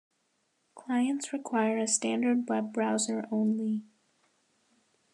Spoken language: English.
Clients require a standard web browser only.